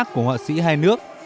của họa sĩ hai nước